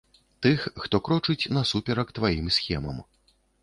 Тых, хто крочыць насуперак тваім схемам.